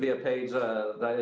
maaf ada sebuah pagi